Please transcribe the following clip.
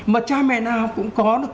mà cha mẹ nào cũng có được